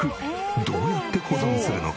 どうやって保存するのか？